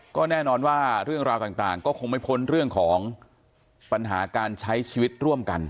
ก็แน่นอนว่าเรื่องราวต่างก็คงไม่พ้นเรื่องของปัญหาการใช้ชีวิตร่วมกัน